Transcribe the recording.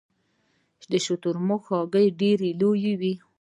د شترمرغ هګۍ ډیره لویه وي